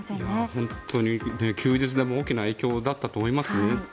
本当に、休日でも大きな影響だったと思います。